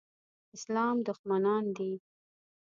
اسلام دښمنان دي.